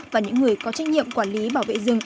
và những người có trách nhiệm quản lý bảo vệ rừng